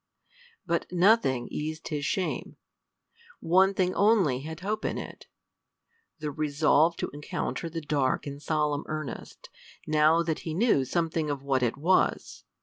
But nothing eased his shame. One thing only had hope in it the resolve to encounter the dark in solemn earnest, now that he knew something of what it was.